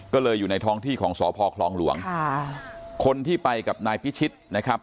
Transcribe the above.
ก็เลยอยู่ในท้องที่ของสพคลองหลวงค่ะคนที่ไปกับนายพิชิตนะครับ